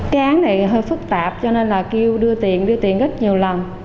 cái án này hơi phức tạp cho nên là kêu đưa tiền đưa tiền rất nhiều lần